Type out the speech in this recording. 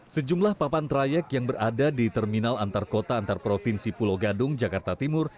sejumlah papan trayek yang berada di terminal antar kota antar provinsi pulau gadung jakarta timur